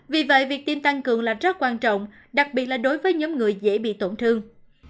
vì vậy việc tiêm tăng cường là rất quan trọng đặc biệt là đối với nhóm người dễ bị tổn thương